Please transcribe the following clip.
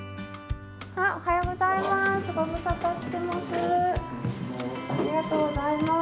おはようございます。